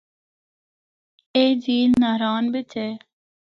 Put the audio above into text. اے جھیل ناران بچ اے۔